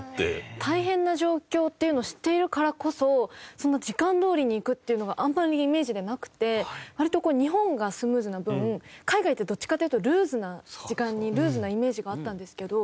大変な状況っていうのを知っているからこそそんな時間どおりにいくっていうのがあんまりイメージがなくて割と日本がスムーズな分海外ってどっちかっていうとルーズな時間にルーズなイメージがあったんですけど。